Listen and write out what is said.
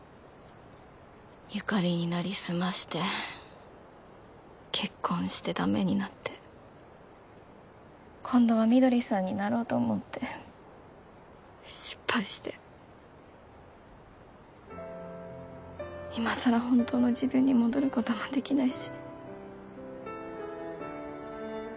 由香里になりすまして結婚してダメになって今度は翠さんになろうと思って失敗して今更本当の自分に戻ることもできないし。